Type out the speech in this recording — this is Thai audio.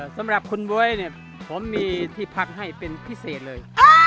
สำหรับคุณบ๊วยเนี่ยผมมีที่พักให้เป็นพิเศษเลย